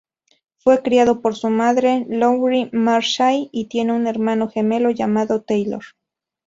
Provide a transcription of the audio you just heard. Fue criado por su madre, Lowry Marshall, y tiene un hermano gemelo llamado Taylor.